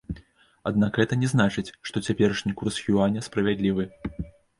Аднак гэта не значыць, што цяперашні курс юаня справядлівы.